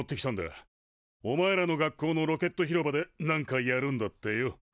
おまえらの学校のロケット広場でなんかやるんだってよ。